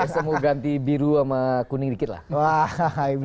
semua ganti biru sama kuning dikit lah